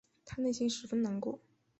她心里十分难过